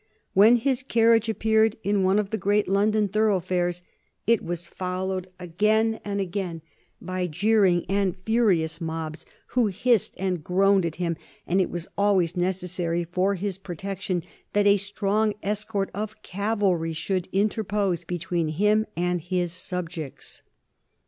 When his carriage appeared in one of the great London thoroughfares it was followed again and again by jeering and furious mobs, who hissed and groaned at him, and it was always necessary for his protection that a strong escort of cavalry should interpose between him and his subjects.